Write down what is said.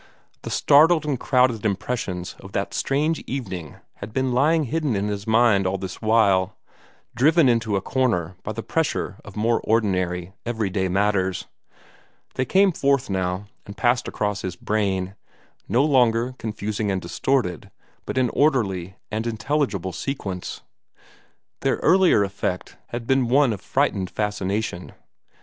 The startled and crowded impressions of that strange evening had been lying hidden in his mind all this while, driven into a corner by the pressure of more ordinary, everyday matters. They came forth now, and passed across his brain no longer confusing and distorted, but in orderly and intelligible sequence. Their earlier effect had been one of frightened fascination.